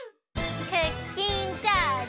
クッキンチャージ。